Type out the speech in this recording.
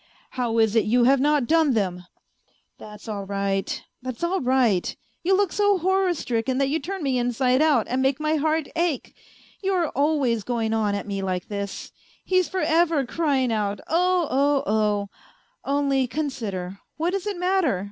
..."" How is it you have not done them ?"'' That's all right, that's all right. You look so horror stricken that you turn me inside out and make my heart ache 1 You are always going on at me like this ! He's for ever crying out : Oh, oh, oh !!! Only consider, what does it matter